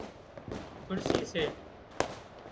کُڙسي سي